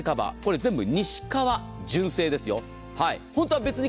全て西川純正ですよ。